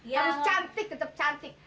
harus cantik tetap cantik